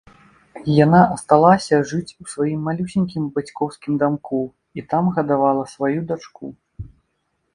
Яна асталася жыць у сваім малюсенькім бацькоўскім дамку і там гадавала сваю дачку.